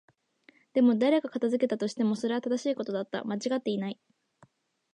でも、誰が片付けたとしても、それは正しいことだった。間違っていない。